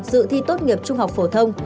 dự thi tốt nghiệp trung học phổ thông